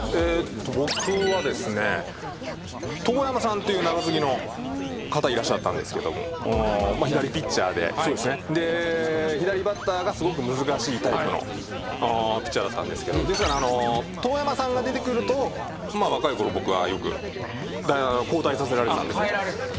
僕はですね遠山さんっていう中継ぎの方いらっしゃったんですけども左ピッチャーで左バッターがすごく難しいタイプのピッチャーだったんですけどですから遠山さんが出てくると若いころ僕はよく交代させられてたんですね。